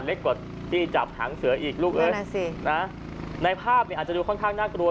เล็กกว่าที่จับหางเสืออีกลูกเอ้ยนั่นสินะในภาพเนี่ยอาจจะดูค่อนข้างน่ากลัว